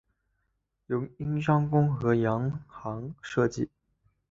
由英商公和洋行设计。